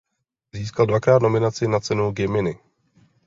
Získal dvakrát nominaci na cenu Gemini.